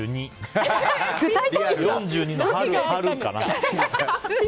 ４２の春かな。